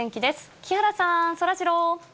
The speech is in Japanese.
木原さん、そらジロー。